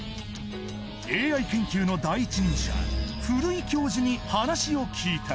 ＡＩ研究の第一人者古井教授に話を聞いた